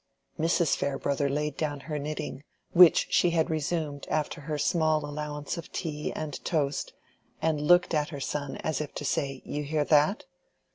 Mrs. Farebrother laid down her knitting, which she had resumed after her small allowance of tea and toast, and looked at her son as if to say "You hear that?"